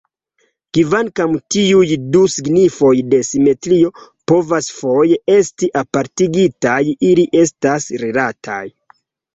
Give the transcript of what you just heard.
Kvankam tiuj du signifoj de "simetrio" povas foje esti apartigitaj, ili estas rilataj.